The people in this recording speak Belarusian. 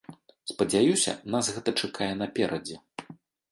Спадзяюся, нас гэта чакае наперадзе.